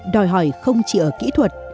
đòi hỏi không chỉ ở kỹ thuật